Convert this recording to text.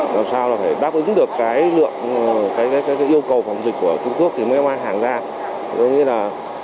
làm sao đáp ứng được lượng yêu cầu phòng dịch của trung quốc mới mang hàng ra